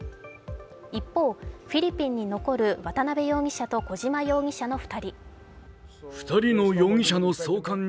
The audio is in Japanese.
一方、フィリピンに残る渡辺容疑者と小島容疑者の２人。